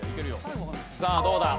さあどうだ？